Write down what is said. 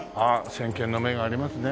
先見の明がありますね